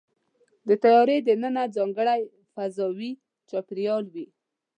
د طیارې دننه ځانګړی فضاوي چاپېریال وي.